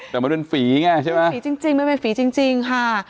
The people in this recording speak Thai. แต่มันเป็นฝีไงใช่ป่ะมันเป็นฝีจริงค่ะ